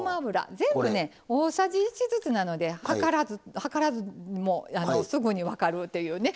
全部ね大さじ１ずつなので量らずもうすぐに分かるっていうね。